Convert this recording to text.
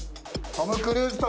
トム・クルーズと。